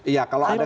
iya kalau ada